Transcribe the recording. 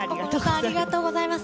ありがとうございます。